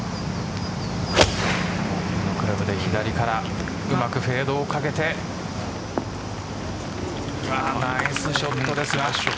左からうまくフェードをかけてナイスショットです。